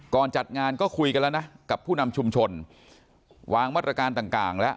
ก่อนจัดงานก็คุยกันแล้วนะกับผู้นำชุมชนวางวัตการณ์ต่างกลางและ